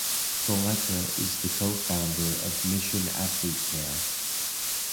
Valletta is the co-founder of Mission Athletecare.